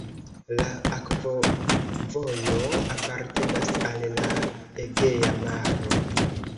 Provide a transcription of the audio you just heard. La akvovojo apartenas al la Egea Maro.